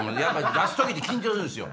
出す時って緊張するんすよ。